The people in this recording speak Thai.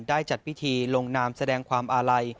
จัดพิธีลงนามแสดงความอาลัย